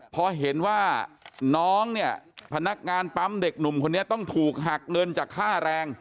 พอเห็นว่าน้องเนี่ยพนักงานปั๊มเด็กหนุ่มคนนี้ต้องถูกหักเงินจากค่าแรง